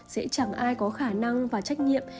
sẽ chẳng ai có khả năng và trách nhiệm